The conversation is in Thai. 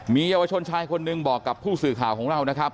มีเยาวชนชายคนหนึ่งบอกกับผู้สื่อข่าวของเรานะครับ